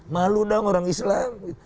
malu dong orang islam